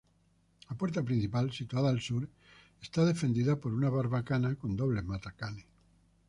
La puerta principal, situada al Sur, está defendida por una barbacana con dobles matacanes.